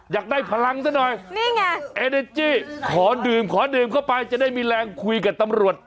อยากได้พลังซะหน่อยนี่ไงเอเนจี้ขอดื่มขอดื่มเข้าไปจะได้มีแรงคุยกับตำรวจ